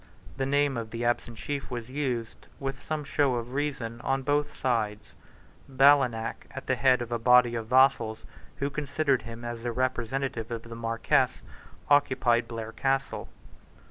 The name of the absent chief was used, with some show of reason, on both sides. Ballenach, at the head of a body of vassals who considered him as the representative of the Marquess, occupied Blair Castle.